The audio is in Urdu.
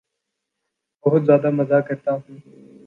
بہت زیادہ مزاح کرتا ہوں